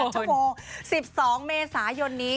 ชั่วโมง๑๒เมษายนนี้